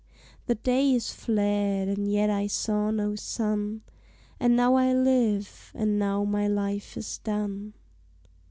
The day is fled, and yet I saw no sun; And now I live, and now my life is done!